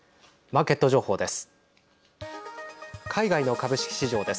マーケット情報です。